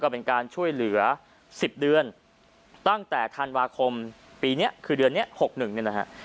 เป็นการช่วยเหลือ๑๐เดือนตั้งแต่ธันวาคมปีนี้คือเดือนนี้๖๑เนี่ยนะฮะ